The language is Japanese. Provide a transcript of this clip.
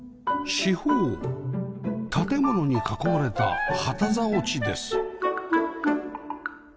四方を建物に囲まれた旗竿地です